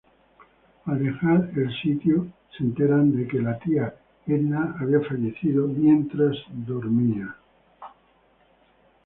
Al dejar el sitio, se enteran de que la tía Edna falleció mientras dormía.